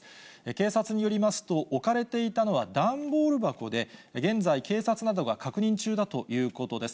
警察によりますと、置かれていたのは段ボール箱で、現在、警察などが確認中だということです。